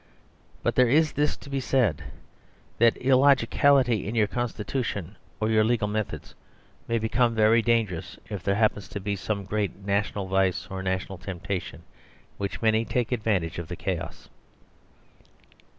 But there is this to be said, that illogicality in your constitution or your legal methods may become very dangerous if there happens to be some great national vice or national temptation which many take advantage of the chaos.